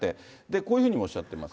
こういうふうにもおっしゃっています。